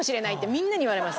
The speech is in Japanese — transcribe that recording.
みんなに言われます。